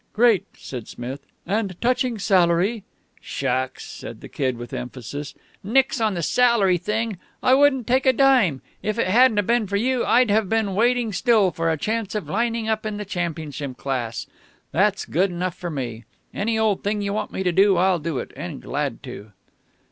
"Great," said Smith. "And touching salary " "Shucks!" said the Kid with emphasis. "Nix on the salary thing. I wouldn't take a dime. If it hadn't 'a' been for you, I'd have been waiting still for a chance of lining up in the championship class. That's good enough for me. Any old thing you want me to do, I'll do it, and glad to."